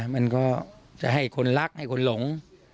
มันก็จะให้คนรักให้คนหลง